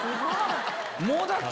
もうだって。